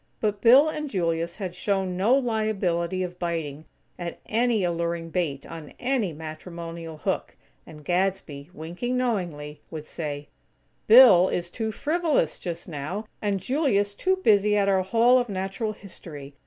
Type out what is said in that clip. But Bill and Julius had shown no liability of biting at any alluring bait on any matrimonial hook; and Gadsby, winking knowingly, would say: "Bill is too frivolous, just now; and Julius too busy at our Hall of Natural History.